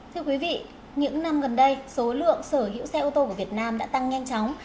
thưa quý vị những năm gần đây số lượng sở hữu xe ô tô của việt nam đã tăng nhanh chóng